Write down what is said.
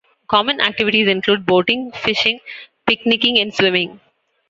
Common activities include boating, fishing, picnicking and swimming.